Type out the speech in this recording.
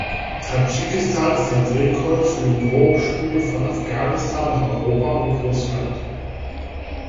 Tadschikistan ist ein Drehkreuz für den Drogenschmuggel von Afghanistan nach Europa und Russland.